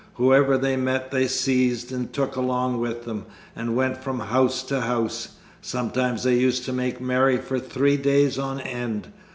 Whoever they met they seized and took along with them, and went from house to house. Sometimes they used to make merry for three days on end.